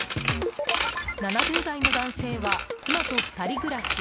７０代の男性は妻と２人暮らし。